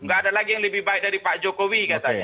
gak ada lagi yang lebih baik dari pak jokowi katanya